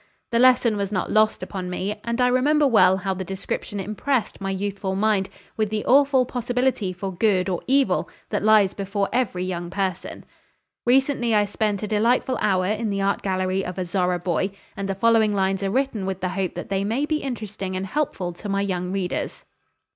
The lesson was not lost upon me, and I remember well how the description impressed my youthful mind with the awful possibility for good or evil that lies before every young person. Recently I spent a delightful hour in the art gallery of a Zorra boy, and the following lines are written with the hope that they may be interesting and helpful to my young readers.